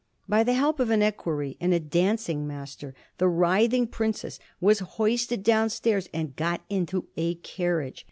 By the help of an equerry and a dancing master, the writhing princess was hoisted down stairs and got into a carriage.